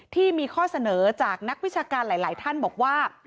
ที่มีข้อเสนอจากนักวิชาการหลายท่านบอกว่า